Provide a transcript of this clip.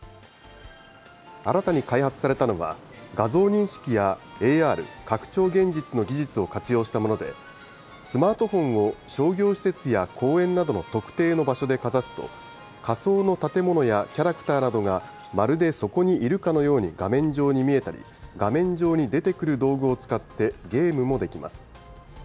新たに開発されたのは、画像認識やＡＲ・拡張現実の技術を活用したもので、スマートフォンを商業施設や公園などの特定の場所でかざすと、仮想の建物やキャラクターなどがまるでそこにいるかのように画面上に見えたり、画面上に出てくる道具を使って、ゲームもできます。